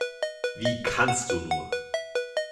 Wie kannst du nur?